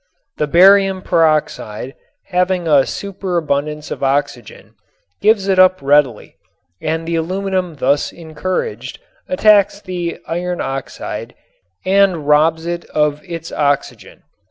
The barium peroxide having a superabundance of oxygen gives it up readily and the aluminum thus encouraged attacks the iron oxide and robs it of its oxygen.